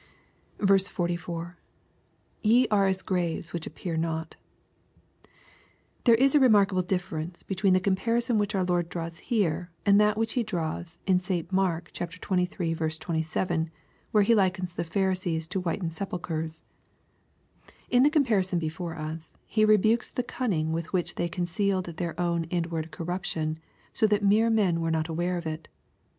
14. —[ Ye are as graves which appear not] There is a remarkable difference between the comparison which our Lord draws here and that which He draws in St., Matt, xxiii. 27, where He likens the Pharisees to whitened sepulchres. In the comparison before us He rebukes the cunning with which they concealed their own inward corruption, so that men were not aware of it.